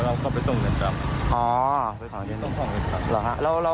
แล้วเข้าไปตรงกันกลับ